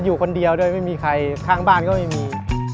อยู่คนเดียวด้วยไม่มีใครข้างบ้านก็ไม่มี